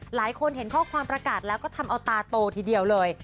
หลายคนเห็นข้อความประกาศแล้วก็ทำเอาตาโตทีเดียวเลย